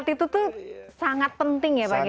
niat itu tuh sangat penting ya pak gaya